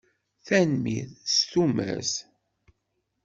Tanemmirt. S tumert.